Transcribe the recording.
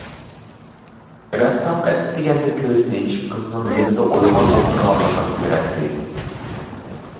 رەسسام ئەتىگەندە كۆزىنى ئېچىپ، قىزنىڭ يېنىدا ئويغاق ئولتۇرغانلىقىنى كۆرەتتى.